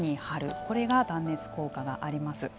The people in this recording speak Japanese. これが断熱効果があります。